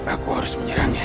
aku harus menyerangnya